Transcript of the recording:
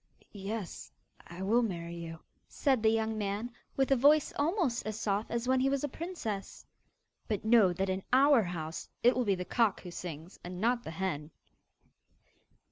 'Yes, I will marry you,' said the young man, with a voice almost as soft as when he was a princess. 'But know that in OUR house, it will be the cock who sings and not the hen!